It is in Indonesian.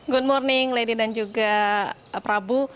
good morning lady dan juga prabu